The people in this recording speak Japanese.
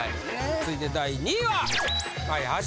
続いて第２位は。